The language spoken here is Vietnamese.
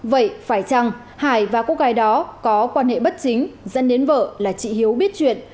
vậy phải chăng hải và cô gái đó có quan hệ bất chính dẫn đến vợ là chị hiếu biết chuyện